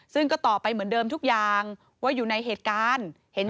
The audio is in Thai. ซึ่งก็ตอบไปเหมือนเดิมทุกอย่างว่าอยู่ในเหตุการณ์